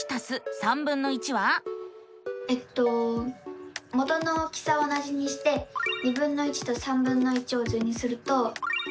えっと元の大きさは同じにしてとを図にすると。